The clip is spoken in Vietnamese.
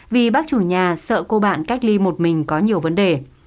vì bác chủ nhà sợ cô bạn cách ly một mình có nhiều vấn đề